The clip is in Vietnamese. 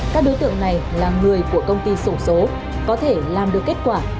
các đối tượng này là người của công ty sổ số có thể làm được kết quả